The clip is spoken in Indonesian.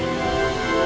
ketika kamu berdua